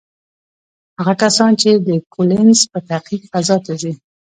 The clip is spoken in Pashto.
هغه کسان چې د کولینز په تعقیب فضا ته ځي،